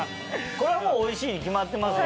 これはもうおいしいに決まってますよ。